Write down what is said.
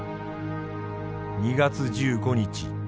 「２月１５日。